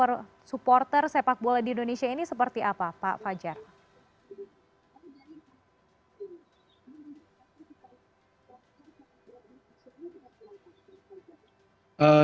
supporter sepak bola di indonesia ini seperti apa pak fajar